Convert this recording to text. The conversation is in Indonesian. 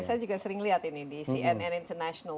saya juga sering lihat ini di cnn international